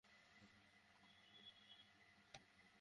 সচিবালয়ের একজন কর্মকর্তা বলেছেন, কমিশন মনে করে শর্ত রাখা ঠিক হবে না।